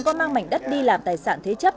có mang mảnh đất đi làm tài sản thế chấp